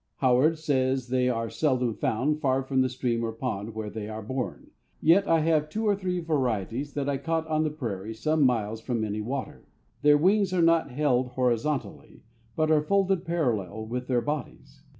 Howard says they are seldom found far from the stream or pond where they are born, yet I have two or three varieties that I caught on the prairie some miles from any water. Their wings are not held horizontally, but are folded parallel with their bodies.